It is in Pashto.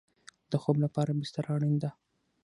د خوب لپاره بستره اړین ده